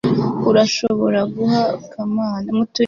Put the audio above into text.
urashobora guha kamana